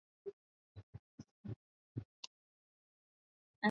bwana felipe henry hapo jana kujiuzulu wadhifa huo